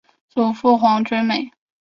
祖父黄厥美。